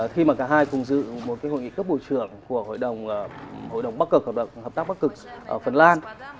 khi mà cả hai cùng dự một cái hội nghị cấp bộ trưởng của hội đồng bắc cực hợp tác bắc cực ở phần lan